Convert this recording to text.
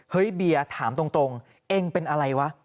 เบียร์ถามตรงเองเป็นอะไรวะ